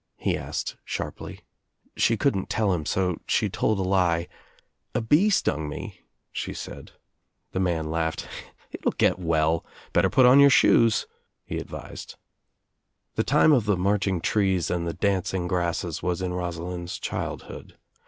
he asked sharply. She couldn't tell him so she told a lie. "A bee stung me," OUT OF NOWHERE INTO NOTHING 235 Better ^" put on your shoes," he advised. The time of the marching trees and the dancing grasses was in Rosalind's childhood.